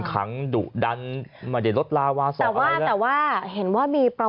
ประหลาดแต่ได้มาต่างแหปอียง